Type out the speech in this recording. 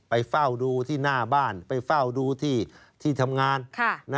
เฝ้าดูที่หน้าบ้านไปเฝ้าดูที่ทำงาน